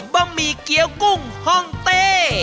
บะหมี่เกี้ยวกุ้งฮ่องเต้